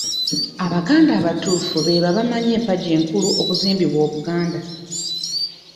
Abaganda abatuufu beebo abamanyi empagi enkulu okuzimbiddwa Obuganda.